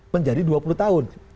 menjadi dua puluh tahun